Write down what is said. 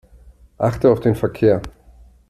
Achte auf den Verkehr.